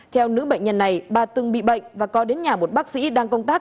theo nữ bệnh nhân này bà từng bị bệnh và có đến nhà một bác sĩ đang công tác